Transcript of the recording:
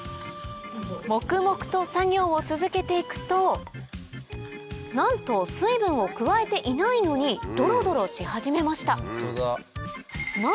黙々と作業を続けて行くとなんと水分を加えていないのにドロドロし始めました